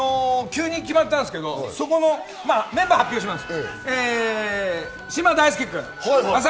急に決まったんすけど、メンバー発表します！